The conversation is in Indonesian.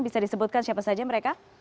bisa disebutkan siapa saja mereka